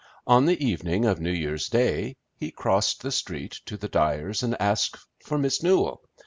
On the evening of New Year's Day he crossed the street to the Dyers' and asked for Miss Newell.